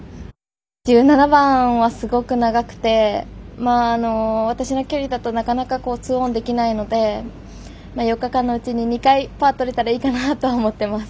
１７番はすごく長くて私の距離だとなかなか２オンできないので４日間のうちに２回パーとれたらいいかなと思っています。